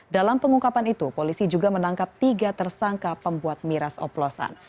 dalam pengungkapan itu polisi juga menangkap tiga tersangka pembuat miras oplosan